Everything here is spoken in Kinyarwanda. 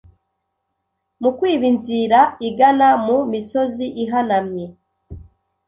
mu kwiba inzira igana mu misozi ihanamye